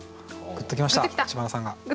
グッときました知花さんが。